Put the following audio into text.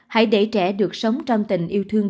hãy để trẻ được sống trong tình yêu thương